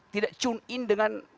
tidak tune in dengan